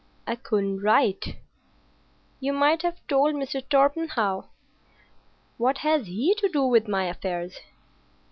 "I couldn't write." "You might have told Mr. Torpenhow." "What has he to do with my affairs?"